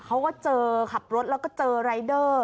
เขาก็เจอขับรถแล้วก็เจอรายเดอร์